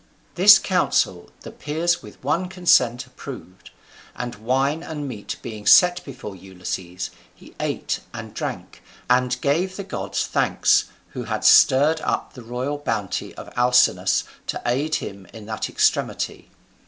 This counsel the peers with one consent approved; and wine and meat being set before Ulysses, he ate and drank, and gave the gods thanks who had stirred up the royal bounty of Alcinous to aid him in that extremity.